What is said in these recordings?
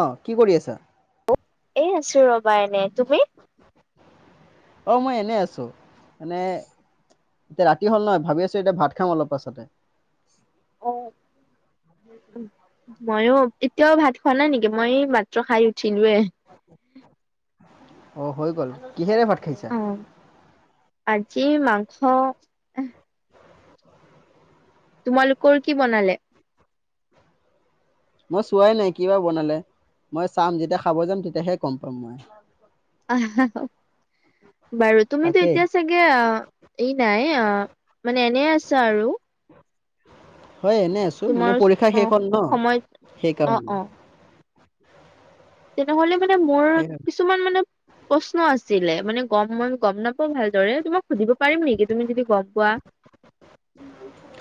অ কি কৰি আছা এই আছো ৰবা এনে তুমি অ মই এনেই আছো মে এতিয়া ৰাতি হল নহয় ভাবি আছো এতিয়া ভাত খাম অলপ পাছতে অ মইো এতিয়াও ভাত খোৱা নাই নেকি মই মাত প্ৰ খাই উঠি নে অ হৈ গ'ল কিহেৰে ভাত খাইছা অ আজি মাংস তোমালোকৰ কি বনালে মই চোৱাই নাই কিবা বনালে মই চাম যেতিয়া খাব যাম তেতিয়াহে গম পাম মই আহ বাৰু তুমিতো তাকেই এতিয়া চাগে এই নাই আহ মানে এনে আছ আৰু হয় এনে আছো মানে তোমাৰ পৰীক্ষা অ শে হ ন সময়ত অ সেইকাৰণে অ তেনেহলে মানে মোৰ কিছুমান মানে প্ৰশ্ন আছিলে মানে গম ম গম নাপাও ভালদৰে তোমাক সুধিব পাৰিম নেকি তুমি যদি গম পোৱা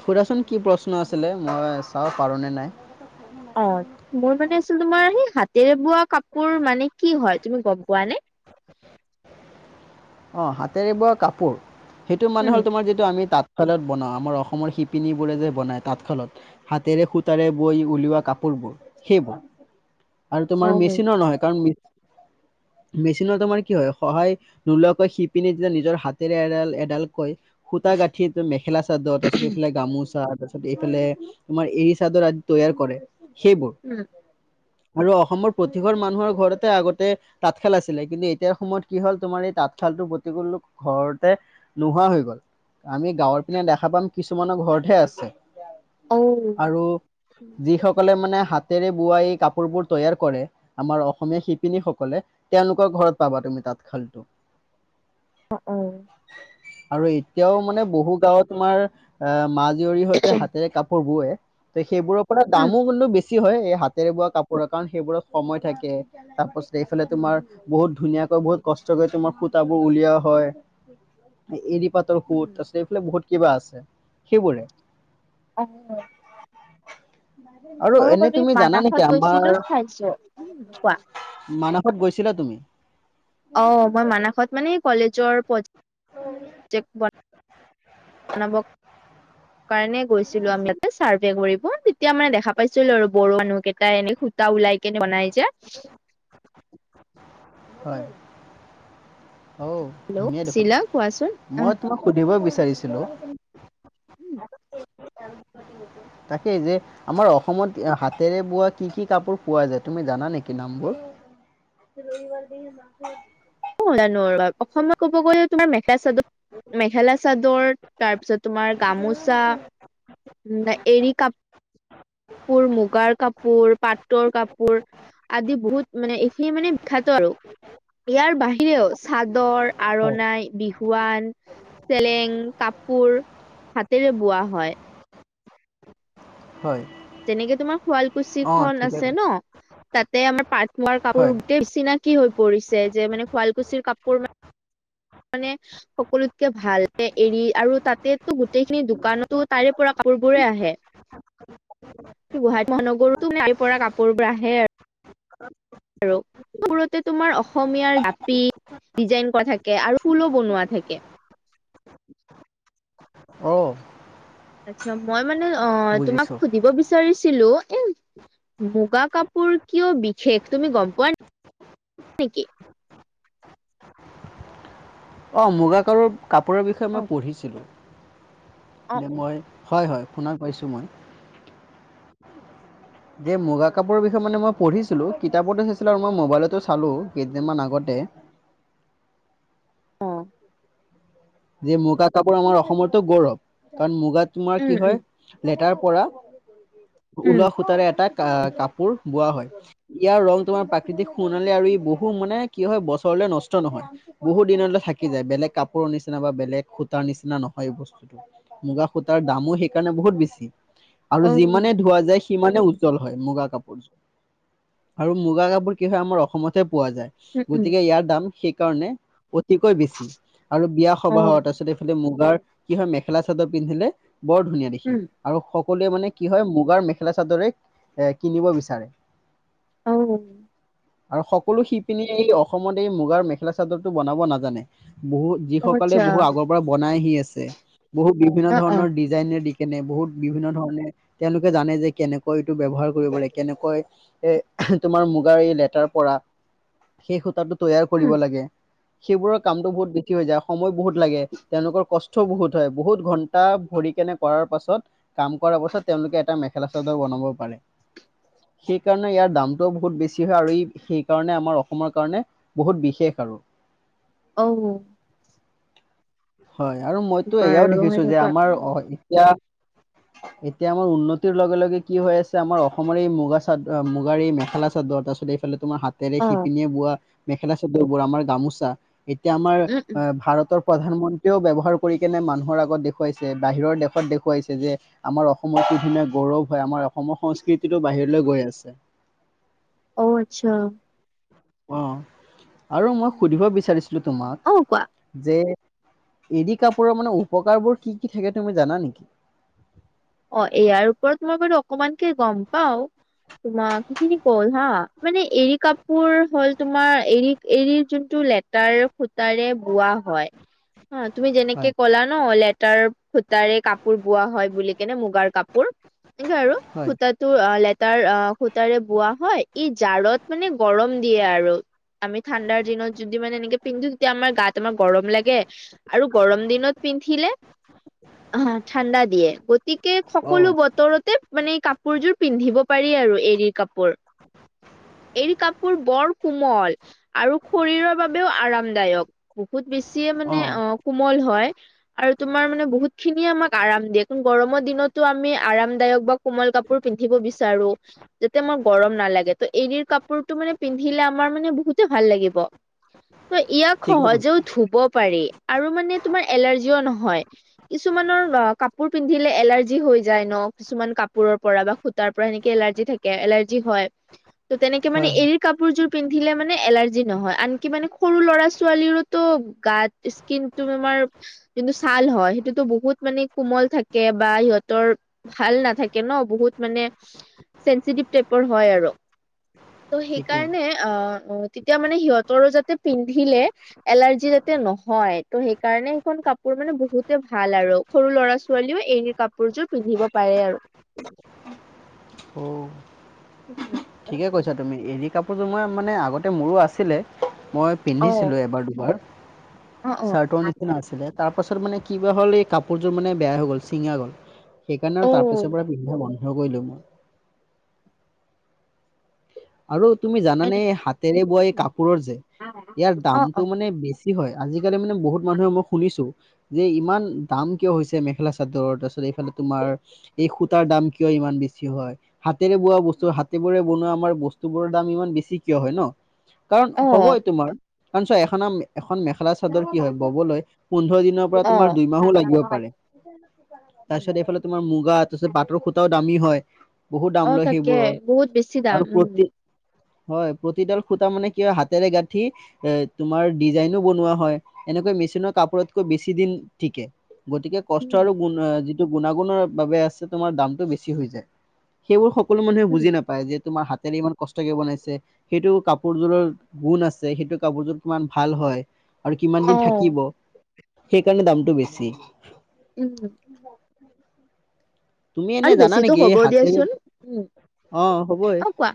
সুধাচোন কি প্ৰশ্ন আছিলে মই চাব পাৰোনেে নাই অ মোৰ মানে আছিল তোমাৰ সেই হাতেৰে বোৱা কাপোৰ মানে কি হয় তুমি গম পোৱা নে অ হাতেৰে ব কাপোৰ সেইটো মানুে উম হ'ল তোমাৰ যিটো আমি তত তাঁতশালত বনাওঁ আমাৰ অসম শিপিনী বোৰে যে বনাই তাঁতশালত হাতেৰে সূতাৰে বৈ উলিওৱা কাপোৰ সেইবোৰ আৰু তোমাৰ মেচিনৰ নহয় কাৰণ মেচিনৰ তোমাৰ কি হয় সহায় নোলোৱাকৈ শিপিনী যেতিয়া নিজৰ হাতেৰে এডাল এডালকৈ সূতা গাঁঠিটো মেখেলা চাদৰ তাৰপিছত এইফালে গামোচা তাৰপিছত এইফালে তোমাৰ এৰী চাদৰ আদি তৈয়াৰ কৰে সেইবোৰ আৰু অসমৰ প্ৰতিঘ মানুহৰ ঘৰতে আগতে তাঁতশাল আছিলে কিন্তু এতিয়াৰ সময়ত কি হ'ল তোমাৰ এই তাঁতশালতটো প্ৰতিকূল ঘৰতে নোহোৱা হৈ গ'ল আমি গাঁৱৰ পিনে দেখা পাম কিছুমানৰ ঘৰতহে আছে আৰু যিসকলে মানে হাতেৰে বোৱাাই এই কাপোৰ বোৰ তৈয়াৰ কৰে আমাৰ অসমীয়া শিপিনী সকলে তেওঁলোকৰ ঘৰত পাবাাত মি তাত খালটোো অ উম আৰু এতিয়াও মানে বহু গাঁওত তোমাৰ অ মা জীয়ৰী সতে হাতেৰে কাপোৰ বোৱে ত সেইবোৰৰ পৰা উম দামো কিন্তু বেছি হয় এই হাতেৰে বোৱা কাপোৰৰ কাৰণ সেইবোৰত সময় থাকে তাৰ পাছত এইফালে তোমাৰ বহুত ধুনীয়াকৈ বহুত কষ্ট কৰি তোমাৰ সূত বোৰ উলিওৱা হয় এৰিী পাতৰ উম সূত তাৰপিছত এইফালে বহুত কিবা আছে, সেইবোৰে [unintelligible] আৰু ময়ো এনেই গ'লো তুমি জানা মানাসত নেকি আমাৰ গৈছিলো চাইছো উম কোৱা মানস ক'ত গৈছিলা তুমি? অ' মই মানাসত মানে কলেজৰ প্ৰজেক্ট [unintelligible] কাৰণে গৈছিলো, আমি তাতে চাৰ্ভে কৰিব। তেতিয়া মানে দেখা পাইছিলো আৰু বড়ো মানুহ কেইটা এনেই সূতা ওলাই কেনে বনাই যে [inaudible] হয় অও', ধুনীয়া দেখোন চিলা কোৱাচোন মই আহ তোমাক সুধিব বিচা চাৰিছিল অ', তাকেই যে আমাৰ অসমত হাতেৰে বোৱা কি কি কাপোৰ পোৱা যায়। তুমি জানা নেকি? নামবোৰ উ [inaudible] কিয় ক'ব নোৱাৰিবা অসমত ক'ব গ'লে তোমাৰ মেখেলা -চাদৰ। মেখেলা -চাদৰ তাৰ পিছত তোমাৰ গামোচা, এৰি কাপোৰ, কাপোৰ, মুগাৰ কাপোৰ, পাটৰ কাপোৰ, আদি বহুত মানে এইখিনি মানে বিখ্যাত আৰু ইয়াৰ বাহিৰেও চাদৰ, হয় আৰনাই, বিহুৱান, চেলেং কাপোৰ হাতেৰে বোৱা হয়। হয় যেনেকে তোমাৰ শুৱালকুছি অঁ খন ঠিকে আছে ন? কৈছা তাতে আমাৰ পাট মোগাৰ কাপোৰ হয় গোটেই চিনাকি হৈ পৰিছে যে মানে শুৱালকুছিৰ কাপোৰ মানে মানে সকলোতকে ভাল এৰি আৰু তাতেটো গ গোটেইখিনি দোকানতো তাৰে পৰা কাপোৰবোৰে আহে। গুৱাহাটী মহানগৰটো তাৰ পৰা কাপোৰ বোৰ আহে। আৰু কাপোৰতে তোমাৰ অসমীয়াৰ জাপি ডিজাইন কৰা থাকে, আৰু ফুলো বনোৱা থাকে। অহ' আচ্ছা, মই মানে অ' তোমাক বুজিছোঁ সুধিব বিচাৰিছোঁ? ছিলো এ মুগা কাপোৰ কিয় বিশেষ তুমি গ'ম পোৱা নে? [unintelligible] অ' মুগা কালৰ কাপোৰৰ বিষয়ে অ মই পঢ়িছিলোঁ। অ অ মই হয়, হয়, শুনা পাইছোঁ মই। যে মুগা কাপোৰৰ বিষয়ে মানে মই পঢ়িছিলো। কিতাপটো চাইছিলো, আৰু মই মোবাইলটো চালো কেইদিন মান আগতে। তে, অ' যে মুগা কাপোৰ আমাৰ অসমৰটো গৌৰৱ, কাৰণ মুগা তোমাৰ কি উম হয়। উম লেতাৰ পৰা ওলোৱা সূতাৰে এটা আ, কাপোৰ বোৱা হয়। ইয়াৰ ৰং তোমাৰ প্ৰাকৃতিক সোণালী, আৰু ই বহু মানে কি হয় বছৰ মানে নষ্ট নহয়, বহুত দিনলৈ থাকি যায়। বেলেগ কাপোৰৰ নিচি না নাইবা বেলেগ সূতাৰ নিচিনা নহয় বস্তুতটো, মুগা সূতাৰ দামো সেইকাৰণে বহুত বেছি। আৰু উম অ যিমানে ধোৱা যায় সিমানে উজ্জ্বল হয়, মুগা কাপোৰযোৰ আৰু মুগা কাপোৰ কি হয়। আমাৰ অসমতে পোৱা যায়। উম উম গতিকে, ইয়াৰ দাম সেইকাৰণে অতিকৈ বেছি, আৰু অ সবাহত তাৰপিছতে এইফালে মুগাৰ কি হয় মেখেলা চাদৰ পিন্ধিলে বৰ ধুনীয়া দেখি। উম আৰু সকলোৱে মানে কি হয় মুগাৰ মেখেলা-চাদৰে, এ, কিনিব বিচাৰে। অ আৰু সকলো সিপিনীয়ে এই অসমত এই মুগাৰ মেখেলা চাদৰটো বনাব নাজানে। বহুত যি অ সকল বোলে আচ্ছা বহুত আগৰ পৰা বনাই আহি আছে। বহুত বিভিন্ন অ অ ধৰণৰ ডিজাইনে দি কেনে বহুত বিভিন্ন ধৰণে তেওঁলোকে জানে যে কেনেকৈ এইটো ব্যৱহাৰ কৰিব পাৰি কেনেকৈ এ তোমাৰ মুগাৰ এই লেটাৰ পৰা সেই সূতাটো তৈয়াৰ উম কৰিব লাগে। সেইবোৰৰ কামতো বহুত বৃদ্ধি হৈ যায় আৰু সময় বহুত লাগে। তেওঁলোকৰ কষ্ট বহুত হয় বহুত ঘন্টা ভৰি কেনে কৰাৰ পাছত কাম কৰাৰ পাছত, তেওঁলোকে এটা মেখেলা চাদৰ বন হ'ব পাৰে। সেইকাৰণে ইয়াৰ দামটোও বহুত বেছি হয় আৰু ই সেই কাৰণে আমাৰ অসমৰ কাৰণে বহুত বিশেষ আৰু। [inaudible] অও। হয়, আৰু মইতো এয়াও বাৰু দেখিছো যে, সেনেকুৱা আমাৰ অ' এতিয়া এতিয়া আমাৰ উন্নতিৰ লগে লগে কি হৈ আছে, আমাৰ অসমৰে এই মুগা চাদ, মুগাৰ এই মেখেলা চাদৰ, তাৰপিছত এইফালে তোমাৰ হাতেৰে অ সিপিনীয়ে বোৱা, মেখেলা চাদৰ বোৰ, আমাৰ গামোচা এতিয়া আমাৰ, উম উম ভাৰতৰ প্ৰধানমন্ত্ৰী কিয় ব্যৱহাৰ কৰি কেনে মানুহৰ আগত দেখুৱাইছে। বাহিৰৰ দেশত দেখুৱাইছে যে, আমাৰ অসমত, কি ধুনীয়া গ গৌৰৱ হয়, আমাৰ অসমৰ সংস্কৃতিতটো, বাহিৰলৈ গৈ আছে। অ'আচ্ছা। অ'আৰু মই সুধিব বিচাৰিছো, তোমাক অ কোৱা যে এৰি কাপোৰৰ মানে উপকাৰবোৰ কি কি থাকে তুমি জানা নেকি? অ', ইয়াৰ ওপৰত মই বাৰু অকমানকে গম পাওঁ। তোমাক সেইখিনি কল হা। মানে এৰী কাপোৰ হ'ল তোমাৰ এৰী-এৰীৰ যোনটো লেতাৰ সুতাৰে বোৱা হয়। অ', তুমি যেনেকে হয় কলা ন লেটাৰ সূতাৰে কাপোৰ বোৱা হয় বুলি। কেনে মুগাৰ কাপোৰ এনেকে আৰু হয় সূতাটো অ' লেতাৰ অ' সূতাৰে বোৱা হয়। ই জাৰত মানে গৰম দিয়ে আৰু। আমি ঠাণ্ডাৰ দিনত যদি মানে এনেকে পিন্ধো তেতিয়া আমাৰ গাত আমাৰ গৰম লাগে। আৰু গৰম দিনত পিন্ধিলে অ' ঠাণ্ডা দিয়ে। গতিকে অ সকলো বতৰতে মানে কাপোৰযোৰ পিন্ধিব পাৰি আৰু এৰী কাপোৰ। [inaudible] এই কাপোৰ বৰ কোমল আৰু শৰীৰৰ বাবেও আৰামদায়ক। বহুত বেছিয়ে মানে অ' কোমল হয় আৰু তোমাৰ মানে বহুতখিনিয়ে আমাক আৰাম দিয়ে। গৰমৰ দিনতো আমি আৰামদায়ক বা কোমল কাপোৰ পিন্ধিব বিচাৰো। যাতে আমাৰ গৰম নালাগে। ত' এৰি কাপোৰতটো মানে পিন্ধিলে আমাৰ মানে বহুতে ভাল লাগিব। [inaudible] ত' ইয়াক ঠিকে কৈছা সহজেও ধুব পাৰি। আৰু মানে তোমাৰ এলাৰজিও নহয়। কিছুমানৰ আ কাপোৰ পিন্ধিলে এলাৰ্জি হৈ যায় ন। কিছুমান কাপোৰৰ পৰা বা সুতাৰ পৰা সেনেকে এলাৰ্জি থাকে এলাৰ্জি হয়। [inaudible] ত' তেনেকে মানে হয় হয় এৰি কাপোৰযোৰ পিন্ধিলে মানে এলাৰ্জি নহয়। আনকি মানে ল সৰু লৰা ছোৱালিৰোটো গাত স্কিনটো জোনটো ছাল হয় সেইটোতো বহুত মানে কোমল থাকে। বা সিহঁতৰ ভাল নাথাকে ন বহুত মানে চেনচিটিভ টাইপৰ হয় আৰু ত' ঠিকেই সেইকাৰণে আ তেতিয়া মানে সিহঁতৰো যাতে পিন্ধিলে এলাৰ্জি যাতে নহয়। ত' সেইকাৰণে সেইখন কাপোৰ মানে বহুতে ভাল আৰু সৰু ল'ৰা ছো ছোৱালীও এই কাপোৰযোৰ পিন্ধিব পাৰে আৰু। অ উম। ঠিকে কৈছা তুমি। এৰি কাপোৰযোৰ মই মানে আগতে মোৰো আছিলে। মই অ পিন্ধিছিলো এবাৰ দুবাৰ, অ অ চাৰ্টৰ নিচিনা আছিলে। তাৰ পাছত মানে কিবা হ'ল এই কাপোৰযোৰ মানে বেয়া হৈ গ'ল ছিঙা গ'ল। সেইকাৰণে অ আৰু তাৰ পিছৰ পৰা পিন্ধা বন্ধ কৰিলো মই। আৰু তুমি জানানে, এনে হাতেৰে বোৱা এই কাপোৰৰ যে, ইয়াৰ অ দামটো অ মানে, বেছি হয়। আজিকালি মানে, বহুত মানুহে মই শুনিছো, যে ইমান দাম কিয় হৈছে মেখেলা চাদৰৰ। তাৰপিছত এইফালে তোমাৰ, এই সূতাৰ দাম কিয় ইমান বেছি হয়, হাত ৰে বোৱা বস্তু, হাতে বৰে বনোৱা আমাৰ, বস্তু বোৰৰ দাম ইমান বেছি। ঠিক কিয় হয় ন কাৰণ অ হ'ব তোমাৰ কাৰ চ এখনাম এখন মেখেলা চাদৰ কি হয় ববলৈ পোন্ধৰ দিনৰ পৰা অ তোমাৰ দুইমাহো লাগিব পাৰে। উম, তাৰপিছত, এইফালে তোমাৰ মুগা তাৰপিছত পাটৰ খুটাও দামী হয়। বহুত দাম অ লয় তাকে সেইবোৰৰ বহুত বেছি দাম আৰু উম প্ৰতি হয়, প্ৰতিডাল সূতা মানে কি হয় হাতেৰে গাঁঠি এ তোমাৰ ডিজাইনো বনোৱা হয়। এনেকৈ মেচিনৰ কাপোৰতকৈ বেছি দিন ঠিকে। গতিকে কষ্ট উম আৰু গুণ গুণাগুণৰ বাবে আছে তোমাৰ দামতটো বেছি হৈ যায় সেইবোৰ। সকল মানুহে উম বুজি নাপায় যে তোমাৰ হাতে ইমান কষ্টকে বনাইছে সেইটো কাপোৰযোৰৰ গুণ আছে সেইটো কাপোৰযোৰ কিমান ভাল হয়। আৰু কিমান অ দিন থাকিব সেইকাৰণে দামটো বেছি। উম। তুমি এনে আৰু জানা বেছিতো নেকি হ'ব হাতে, দিয়াচোন উম অ' হ'বই। অ কোৱা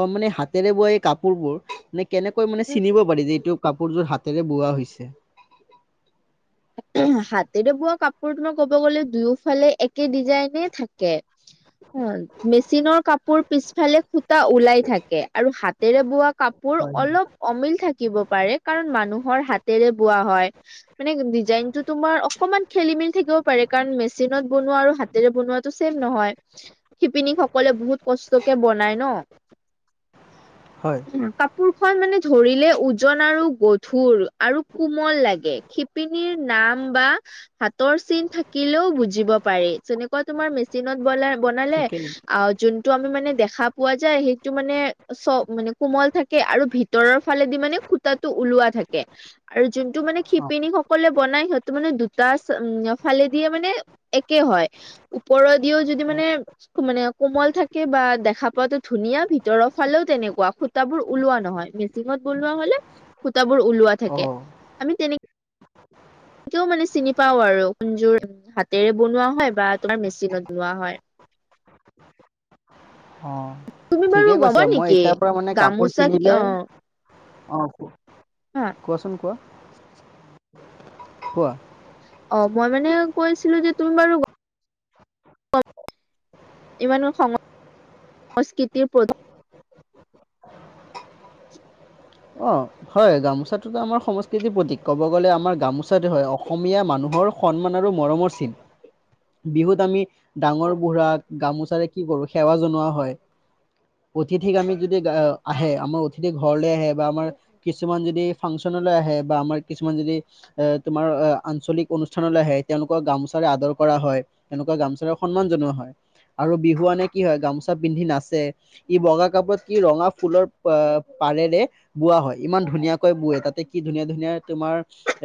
অ', মানে হাতেৰে বোৱা এই কাপোৰবোৰ মানে কেনেকৈ মানে চিনিব পাৰি যে এইটো কাপোৰযোৰ হাতেৰে বোৱা হৈছে? উম হাতেৰে বোৱা কাপোৰ তোমাৰ ক'ব গ'লে দুয়োফালে একে ডিজাইনে থাকে। অ' মেচিনৰ কাপোৰ পিছফালে খু সূতা ওলাই থাকে আৰু হাতেৰে বোৱা কাপোৰ হয় অলপ অমিল থাকিব পাৰে। কাৰণ মানুহৰ হাতেৰে বোৱা হয় মানে ডিজাইন টো তোমাৰ অকমান খেলি-মেলি থাকিব পাৰে কাৰণ মেচিনত বনোৱা আৰু হাতেৰে বনোৱাটো ছেম নহয়। শিপিনী সকলে বহুত কষ্টকে বনাই ন [inaudible] হয় উ কাপোৰ খন মানে ধৰিলে ওজন আৰু গধুৰ আৰু কোমল লাগে শিপিন শিপিনী নাম বা হাতৰ চিন থাকিলেও বুজব পাৰি যেনেকৈ তোমাৰ মেচিনত বলে বনালে ঠিকেই যোনটো আমি মানে দেখা পোৱা যায় সেইটো, মানে চ কোমল থাকে আৰু ভিতৰৰ ফালেদি মানে সূতটো ওলোৱা থাকে আৰু যোনটো মানে অ শিপিনীসকল বনাই সিহঁতে মানে দুটা ফালে দে মানে একে হয় ওপৰেদি যদিও। মানে মানে কোমল থাকে বা দেখা পোৱাাতো ধুনীয়া ভিতৰৰ ফালেও তেনেকুৱা সূতা বোৰ ওলোৱা নহয়, মেচিনত বনোৱা হ'লে সুতাবোৰ ওলোৱা অ থাকে অ আমি তেনেক তেনেকেও মানে চিনি পাওঁ আৰু কোনযোৰ হাতেৰে বনোৱা হয় বা তোমাৰ মেচিনত বনোৱা হয়। [unintelligible] তুমি বাৰু ঠিকে কৈছে, গবা মই নেকি এতিাৰ পৰা মানে কাপোৰ গামোচা কি কিনিলে অ আহ হা কোৱাচোন কোৱা, কোৱা। অ' মই মানে কৈছিলো যে তুমি বাৰু। ইমানৰ সংস সংস্কৃতিৰ প্ৰধান। [inaudible] অ' হয়, গামোচাটোতো আমাৰ সংস্কৃতিৰ প্ৰতীক ক'ব গ'লে আমাৰ গামোচাতে হয় অসমীয়া মানুহৰ মৰ সন্মান আৰু মৰমৰ চিন। বিহুত আমি ডাঙৰ বুঢ়া গামোচাৰে কি কৰো সেৱা জনোৱা হয়। অতিথিক আমি যদি আহে আমাৰ অতিথিক ঘৰলে আহে বা আমাৰ কিছুমান যদি ফাংচনলৈ আহে বা আমাৰ কিছুমান যদি এ তোমাৰ আঞ্চলিক অনুষ্ঠানলৈ আহে তেওঁলোকৰ গামোচা আদৰ কৰা হয়, এনেকুৱা গামোচাৰাৰ সন্মান জনোৱা হয়। আৰু বিহুৱানে কি হয় গামোচা পিন্ধি নাচে ই বগা কাপোৰত কি ৰঙা ফুলৰ আহ পাৰেৰে বোৱা হয়, ইমান ধুনীয়াকৈ বৱে তাতে কি ধুনীয়া ধুনীয়া তোমাৰ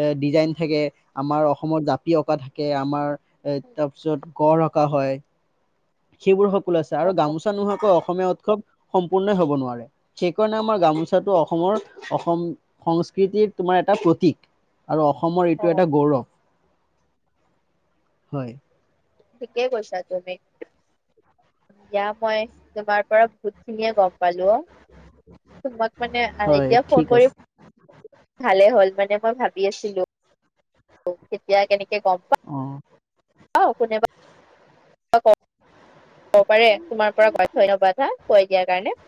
এ ডিজাইন থাকে আমাৰ অসম জাপি অঁকা থাকে, আমাৰ এ তাৰ পিছত গড় ৰকা হয়, সেইবোৰ সকলো আছে অ আৰু গামোচা নোহোৱাকৈ অস অসমীয়া উৎসৱ সম্পূৰ্ণই হ'ব নোৱাৰে, সেইকাৰণে আমাৰ গামোচাটো অসমৰ অসম সংস্কৃতি সংস্কৃতিৰ তোমাৰ এটা প্ৰতীক আৰু অসমৰ অ এইটো এটা গৌৰৱ। হয়। ঠিকে কৈছা তুমি। দিয়া মই তোমাৰ পৰা বহুত খিনিয়ে গম পালো, অ', তোমাক মানে হয় এতিয়া ঠিক ফোন কৰি আছে ভালে হ'ল মানে মই ভাবি আছিলো ও তেতিয়া কেনে অ' আহ কোনেবা ক ক'ব পাৰে তোমাৰ পাৰে কয় ধন্যবাদ হা কৈ দিয়াৰ কাৰণে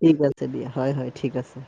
ঠিক আছে, দিয়া হয়, হয়, ঠিক আছে।